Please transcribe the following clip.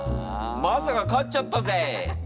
まさか勝っちゃったぜ。